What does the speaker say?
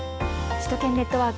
首都圏ネットワーク。